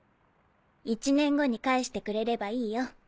１年後に返してくれればいいよ。